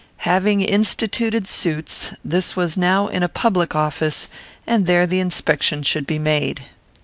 Having instituted suits, this was now in a public office, and there the inspection should be made.